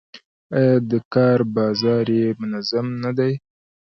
آیا د کار بازار یې منظم نه دی؟